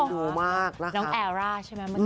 ดูมากนะครับ